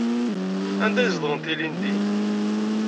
Anda ay zedɣent ilindi?